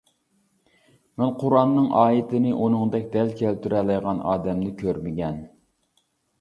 مەن قۇرئاننىڭ ئايىتىنى ئۇنىڭدەك دەل كەلتۈرەلەيدىغان ئادەمنى كۆرمىگەن.